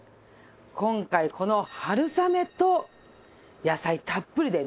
今回この春雨と野菜たっぷりでね